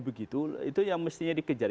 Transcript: begitu itu yang mestinya dikejar